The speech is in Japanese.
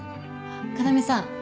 あっ要さん